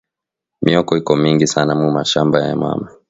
Myoko iko mingi sana mu mashamba ya mama